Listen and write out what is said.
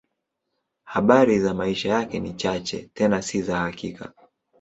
Habari za maisha yake ni chache, tena si za hakika.